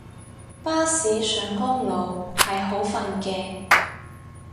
巴士上公路係好瞓嘅